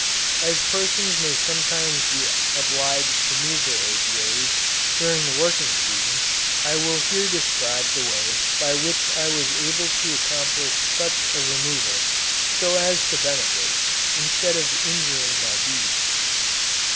As persons may sometimes be obliged to move their Apiaries, during the working season, I will here describe the way by which I was able to accomplish such a removal, so as to benefit, instead of injuring my bees.